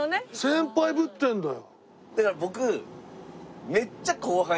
先輩ぶってるんだよ。